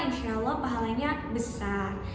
insyaallah pahalanya besar